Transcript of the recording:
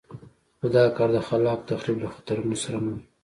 خو دا کار د خلاق تخریب له خطرونو سره مل وو.